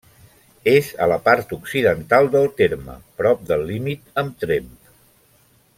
És a la part occidental del terme, prop del límit amb Tremp.